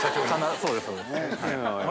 そうです。